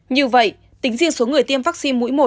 như vậy tính riêng số người tiêm vaccine mũi một